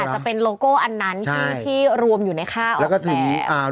จะเป็นโลโก้อันนั้นที่รวมอยู่ในค่าออกแบบ